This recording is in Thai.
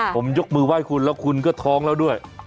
ผมยกมือไหว้คุณแล้วคุณก็ท้องแล้วด้วย